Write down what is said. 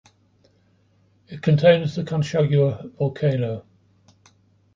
It contains the Conchagua volcano.